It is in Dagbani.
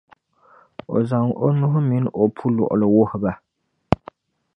o zaŋ o nuhi min’ o puluɣili wuhi ba.